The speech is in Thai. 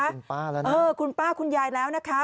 คุณป้าแล้วนะเออคุณป้าคุณยายแล้วนะคะ